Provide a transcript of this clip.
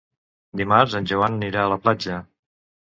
Dimarts en Joan anirà a la platja.